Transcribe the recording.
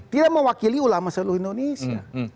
tidak mewakili ulama seluruh indonesia